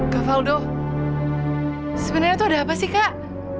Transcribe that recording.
kak valdo sebenarnya itu ada apa sih kak